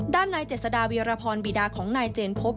ด้านนายเจษฎาวีรพรบีดาของนายเจนพบ